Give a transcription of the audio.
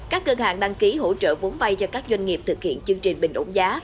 các cơ hạng đăng ký hỗ trợ vốn vay cho các doanh nghiệp thực hiện chương trình bình ổn giá